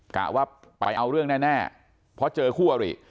กะว่าไปเอาเรื่องแน่เพราะเจอคู่อริ